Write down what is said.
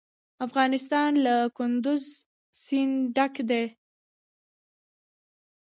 افغانستان له کندز سیند ډک دی.